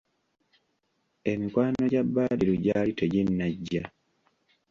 Emikwano gya Badru gyali teginajja.